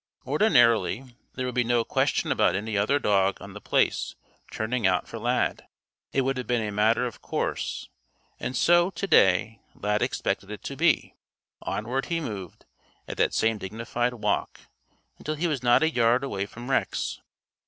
Ordinarily, there would be no question about any other dog on The Place turning out for Lad. It would have been a matter of course, and so, to day, Lad expected it to be. Onward he moved, at that same dignified walk, until he was not a yard away from Rex.